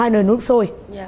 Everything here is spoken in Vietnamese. hai nồi nước sôi